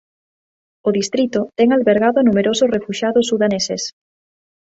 O distrito ten albergado a numerosos refuxiados sudaneses.